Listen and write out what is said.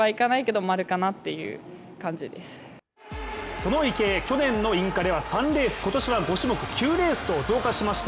その池江、去年のインカレは３レース今年は５種目９レースと増加しました。